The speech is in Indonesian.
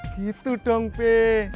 gitu dong pe